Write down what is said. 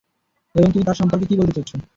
এবং তুমি তার সমপর্কে কি বলতে চাচ্ছ?